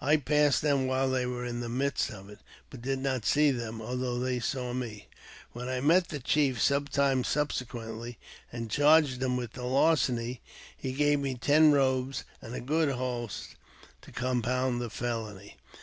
I passed them while they were in the midst of it, but did not see them, although they saw me. When I met the chief sometime subsequently, and charged JAMES P. BECKWOURTH. 383 liim with the larceny, he gave me ten robes and a good horse to compound the felony.